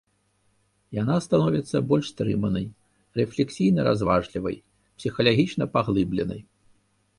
Яна становіцца больш стрыманай, рэфлексійна-разважлівай, псіхалагічна-паглыбленай.